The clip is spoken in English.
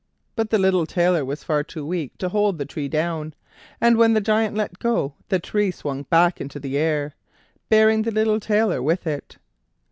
But the little Tailor was far too weak to hold the tree down, and when the Giant let go the tree swung back into the air, bearing the little Tailor with it.